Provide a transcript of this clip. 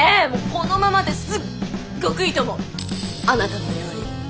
このままですっごくいいと思うあなたの料理！